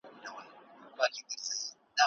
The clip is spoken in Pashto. موږ نه غواړو چې ماشومان مو له کلتوره پردي سي.